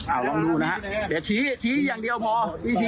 อันนี้จะเดินทางไปไหน